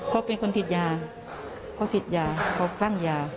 เขาเป็นคนติดยาเขาติดยาเขาคลั่งยา